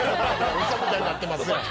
ウソみたいになってますやん。